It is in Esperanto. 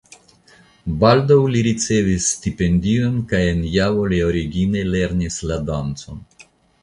Baldaŭ li ricevis stipendion kaj en Javo li origine lernis la dancon.